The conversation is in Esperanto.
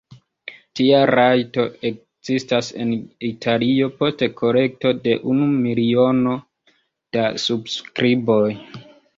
Tia rajto ekzistas en Italio post kolekto de unu miliono da subskriboj.